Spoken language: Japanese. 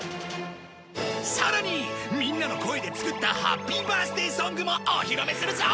さらにみんなの声で作ったハッピーバースデーソングもお披露目するぞ！